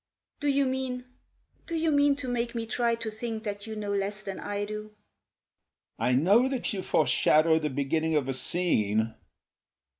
"Do you mean Do you mean to make me try to think that you know less than I do?" "I know that you foreshadow the beginning of a scene.